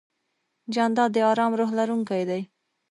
جانداد د ارام روح لرونکی دی.